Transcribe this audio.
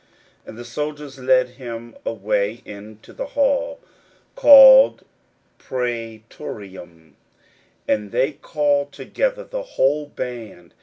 41:015:016 And the soldiers led him away into the hall, called Praetorium; and they call together the whole band.